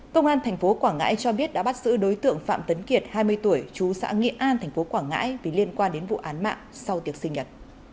công an tp quảng ngãi cho biết đã bắt giữ đối tượng phạm tấn kiệt hai mươi tuổi chú xã nghị an tp quảng ngãi vì liên quan đến vụ án mạng sau tiệc sinh nhật